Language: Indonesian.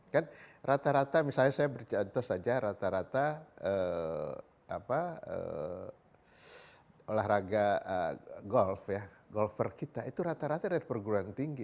kan rata rata misalnya saya bercontoh saja rata rata olahraga golf ya golfer kita itu rata rata dari perguruan tinggi